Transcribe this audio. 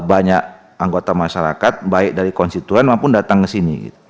banyak anggota masyarakat baik dari konstituen maupun datang ke sini